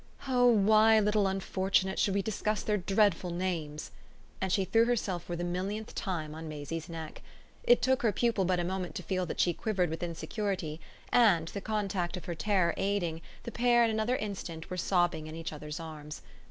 "Oh why, little unfortunate, should we discuss their dreadful names?" and she threw herself for the millionth time on Maisie's neck. It took her pupil but a moment to feel that she quivered with insecurity, and, the contact of her terror aiding, the pair in another instant were sobbing in each other's arms.